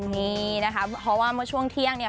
นี่นะคะเพราะว่าเมื่อช่วงเที่ยงเนี่ย